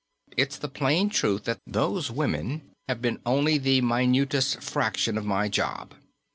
It's the plain truth that those women have been only the minutest fraction of my job."